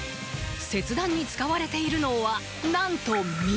切断に使われているのはなんと水！